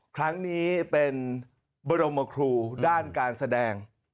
ครั้งนี้เป็นบรมครูด้านการแสดง